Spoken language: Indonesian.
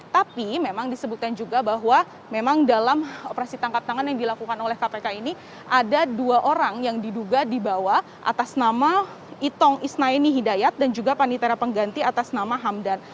tapi memang disebutkan juga bahwa memang dalam operasi tangkap tangan yang dilakukan oleh kpk ini ada dua orang yang diduga dibawa atas nama itong isnaini hidayat dan juga panitera pengganti atas nama hamdan